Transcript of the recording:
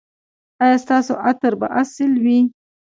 ایا ستاسو عطر به اصیل وي؟